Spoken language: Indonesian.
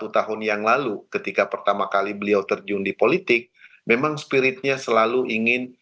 sepuluh tahun yang lalu ketika pertama kali beliau terjun di politik memang spiritnya selalu ingin